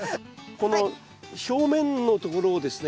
この表面のところをですね